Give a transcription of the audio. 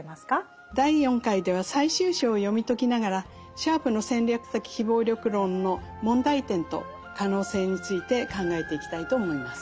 第４回では最終章を読み解きながらシャープの戦略的非暴力論の問題点と可能性について考えていきたいと思います。